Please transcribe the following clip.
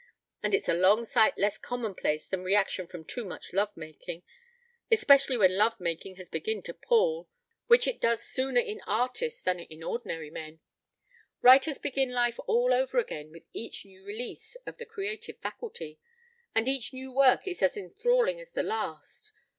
And it's a long sight less commonplace than reaction from too much love making. Especially when love making has begun to pall which it does sooner in artists than in ordinary men. ... Writers begin life all over again with each new release of the creative faculty; and each new work is as enthralling as the last.